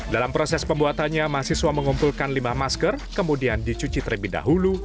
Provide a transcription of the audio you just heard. dalam proses pembuatannya mahasiswa mengumpulkan lima masker kemudian dicuci terlebih dahulu